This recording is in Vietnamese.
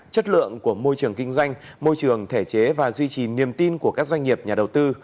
chất lượng của môi trường kinh doanh môi trường thể chế và duy trì niềm tin của các doanh nghiệp nhà đầu tư